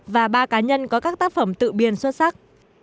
và ba cá nhân có các tác phẩm tự biên xuất sắc